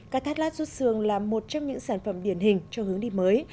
cá thác lát rút xương là một trong những sản phẩm điển hình cho hướng đi mới